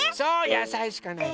やさいしかないの。